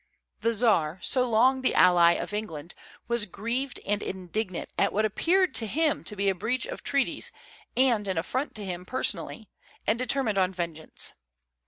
The Czar, so long the ally of England, was grieved and indignant at what appeared to him to be a breach of treaties and an affront to him personally, and determined on vengeance.